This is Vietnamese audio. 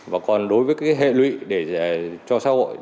và còn đối với cái hệ lụy để cho xã hội